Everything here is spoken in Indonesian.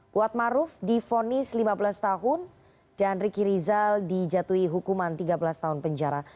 kuat maruf difonis lima belas tahun dan riki rizal dijatuhi hukuman tiga belas tahun penjara